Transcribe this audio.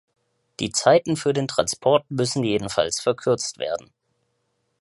Die Zeiten für den Transport müssen jedenfalls verkürzt werden.